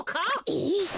えっ？